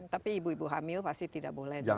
tapi ibu ibu hamil pasti tidak boleh